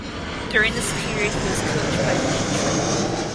During this period he was coached by Lee Troop.